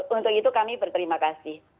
untuk itu kami berterima kasih